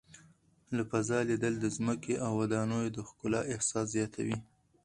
له فضا لیدل د ځمکې او ودانیو د ښکلا احساس زیاتوي.